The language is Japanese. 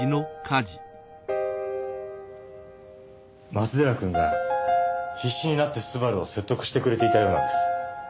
松寺君が必死になってスバルを説得してくれていたようなんです。